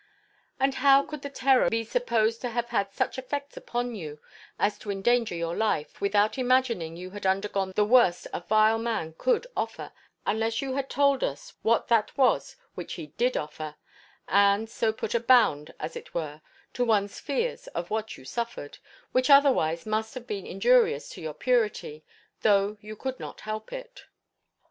And how could the terror be supposed to have had such effects upon you, as to endanger your life, without imagining you had undergone the worst a vile man could offer, unless you had told us what that was which he did offer, and so put a bound, as it were, to one's fears of what you suffered, which otherwise must have been injurious to your purity, though you could not help it?